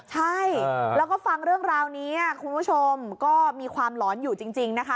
ใช่แล้วก็ฟังเรื่องราวนี้คุณผู้ชมก็มีความหลอนอยู่จริงนะคะ